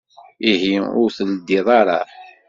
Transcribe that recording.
Ihi ur tleddiḍ ara?